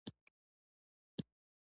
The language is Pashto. قهوه د شعرونو منځ ته راوړونکې ده